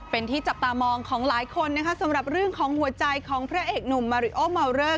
เป็นที่จับตามองของหลายคนนะคะสำหรับเรื่องของหัวใจของพระเอกหนุ่มมาริโอเมาเลอร์